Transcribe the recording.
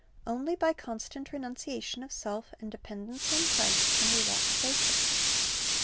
Only by constant renunciation of self and dependence on Christ can we walk safely.